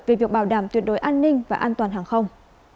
về việc bảo đảm tuyệt đối an ninh và an toàn hàng không